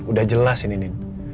udah jelas ini